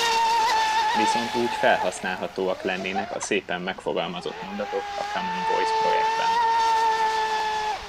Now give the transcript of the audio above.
Viszont úgy felhasználhatóak lennének a szépen megfogalmazott mondatok a Common Voice projektben.